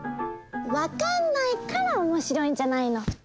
わかんないからおもしろいんじゃないの！